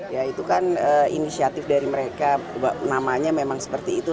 ya itu kan inisiatif dari mereka namanya memang seperti itu